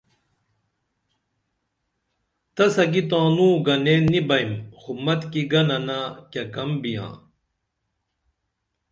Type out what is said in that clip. تسہ کی تانوں گنین نی بئیم خو متِکی گننہ کیہ کم بیاں